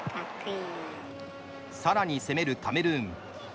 さらに攻めるカメルーン。